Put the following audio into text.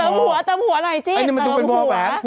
หัวเติมหัวหน่อยสิเติมหัว